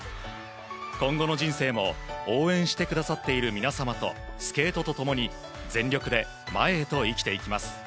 今後の人生も応援してくださっている皆様とスケートと共に全力で前へと生きていきます。